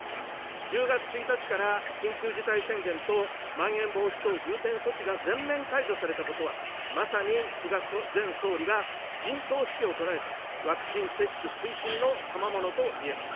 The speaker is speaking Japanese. １０月１日から緊急事態宣言とまん延防止等重点措置が全面解除されたことは、まさに菅前総理が陣頭指揮を執られたワクチン接種推進のたまものといえます。